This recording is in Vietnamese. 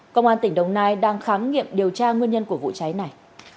công an tỉnh đồng nai đang khám nghiệm điều tra nguyên nhân của vụ cháy này